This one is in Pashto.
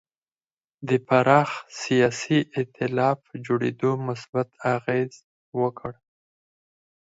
د پراخ سیاسي اېتلاف جوړېدو مثبت اغېز وکړ.